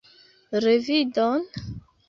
Revidon?